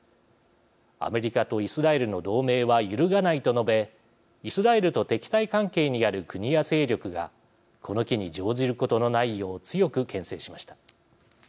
アメリカとイスラエルの同盟は揺るがないと述べイスラエルと敵対関係にある国や勢力がこの機に乗じることのないよう強くけん制しました。